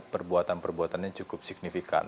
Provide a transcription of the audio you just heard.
perbuatan perbuatannya cukup signifikan